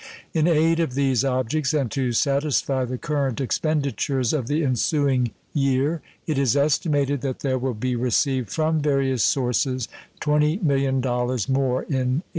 In aid of these objects, and to satisfy the current expenditures of the ensuing year, it is estimated that there will be received from various sources $20,000,000 more in 1836.